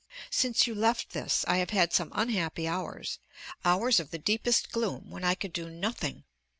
Since you left this I have had some unhappy hours, hours of the deepest gloom, when I could do nothing.